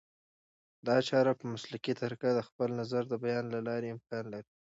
دا چاره په مسلکي طریقه د خپل نظر د بیان له لارې امکان لري